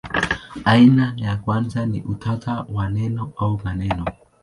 Aina ya kwanza ni utata wa neno au maneno.